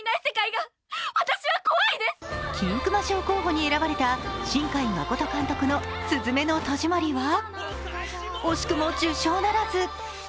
金熊賞候補に選ばれた新海誠監督の「すずめの戸締まり」は惜しくも受賞ならず。